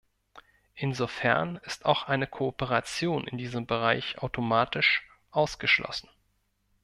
Insofern ist auch eine Kooperation in diesem Bereich automatisch ausgeschlossen.